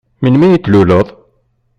Melmi ay d-tluleḍ?